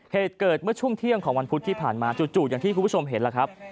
เหตุเกิดเมื่อช่วงเที่ยงของวันพุธที่ผ่านมาจู่อย่างที่คุณผู้ชมเห็นล่ะครับ